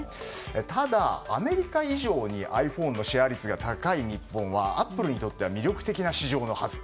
ただ、アメリカ以上にｉＰｈｏｎｅのシェア率が高い日本はアップルには魅力的なはず。